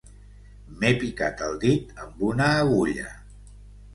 M'he picat el dit amb una agulla.